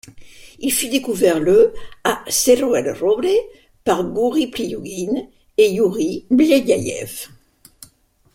Il fut découvert le à Cerro El Roble par Gouri Pliouguine et Iouri Beliaïev.